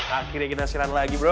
akhirnya kita siran lagi bro